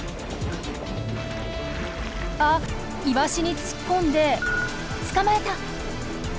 あっイワシに突っ込んで捕まえた！